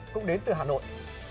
cũng đến từ hà nội